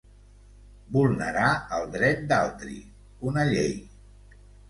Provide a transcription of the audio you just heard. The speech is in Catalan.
Vulnerar el dret d'altri, una llei.